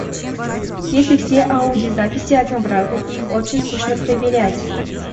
Если все аудиозаписи однообразны, их очень скучно проверять.